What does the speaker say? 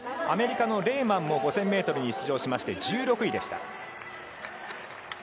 アメリカのレーマンも５００ｍに出場しまして１６位でした。